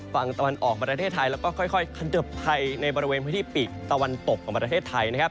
ฝั่งตะวันออกประเทศไทยแล้วก็ค่อยขดภัยในบริเวณพื้นที่ปีกตะวันตกของประเทศไทยนะครับ